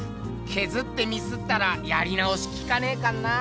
削ってミスったらやり直しきかねえかんなあ。